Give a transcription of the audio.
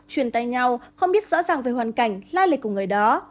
chuyển tay nhau không biết rõ ràng về hoàn cảnh lai lệch của người đó